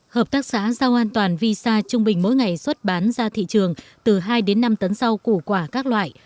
hợp tác xã giao an toàn visa trung bình mỗi ngày xuất bán ra thị trường từ hai đến năm tấn rau củ quả các loại